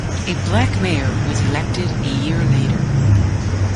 A black mayor was elected a year later.